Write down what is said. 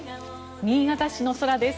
新潟市の空です。